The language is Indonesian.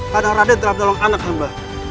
karena raden telah menolong anak paman